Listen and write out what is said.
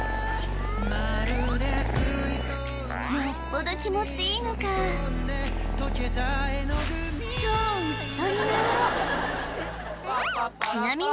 よっぽど気持ちいいのか超うっとり顔